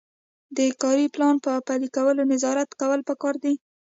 د کاري پلان په پلي کولو نظارت کول پکار دي.